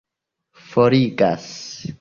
forigas